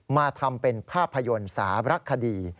มาทำเป็นภาพยนต์สารักษณ์คดี